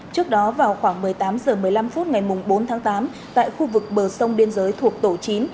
trước đó vào khoảng một mươi tám h một mươi năm phút ngày bốn tháng tám tại khu vực bờ sông biên giới thuộc tổ chín